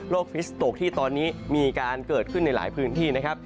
ฟิสโตกที่ตอนนี้มีการเกิดขึ้นในหลายพื้นที่นะครับ